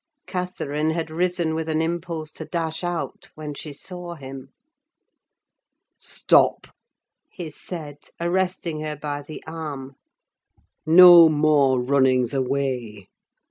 Catherine had risen with an impulse to dash out, when she saw him. "Stop!" he said, arresting her by the arm. "No more runnings away!